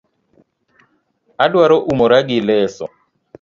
Aduaro umora gi leso